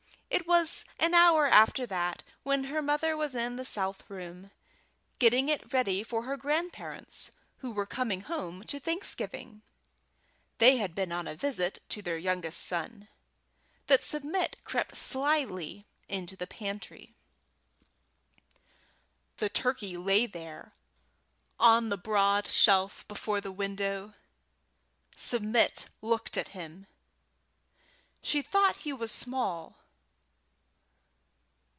It was an hour after that, when her mother was in the south room, getting it ready for her grandparents, who were coming home to Thanksgiving they had been on a visit to their youngest son that Submit crept slyly into the pantry. The turkey lay there on the broad shelf before the window. Submit looked at him. She thought he was small.